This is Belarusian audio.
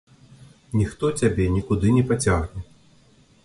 Ніхто цябе нікуды не пацягне.